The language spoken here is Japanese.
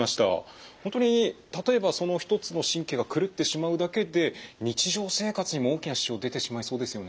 本当に例えばその一つの神経が狂ってしまうだけで日常生活にも大きな支障出てしまいそうですよね。